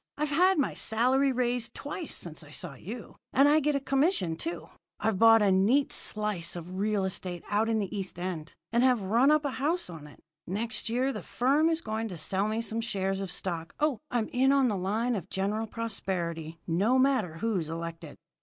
"I've had my salary raised twice since I saw you, and I get a commission, too. I've bought a neat slice of real estate out in the East End, and have run up a house on it. Next year the firm is going to sell me some shares of stock. Oh, I'm in on the line of General Prosperity, no matter who's elected!"